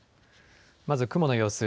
まず雲の様子。